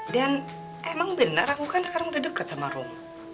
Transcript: dan emang benar aku kan sekarang udah deket sama rum